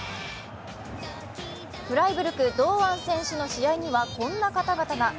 フライブルク・堂安選手の試合にはこんな方々が。